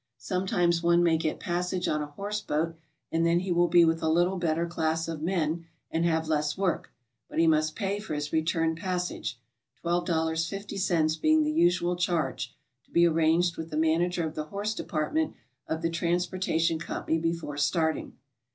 Sometimes one may get pas sage on a horse boat and then he will be with a little better class of men and have less work, but he must pay for his return passage, $12.50 being the usual charge, to be arranged with the manager of the horse department of the transporta tion company before starting.